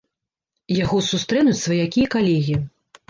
Яго сустрэнуць сваякі і калегі.